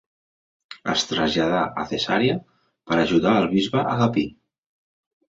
Es traslladà a Cesarea per ajudar el bisbe Agapi.